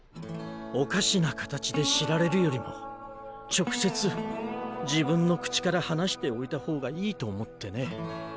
おかしな形で知られるよりも直接自分の口から話しておいた方がいいと思ってね。